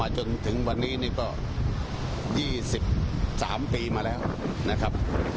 จนถึงวันนี้นี่ก็๒๓ปีมาแล้วนะครับ